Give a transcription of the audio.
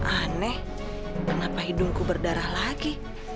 aneh kenapa hidungku berdarah lagi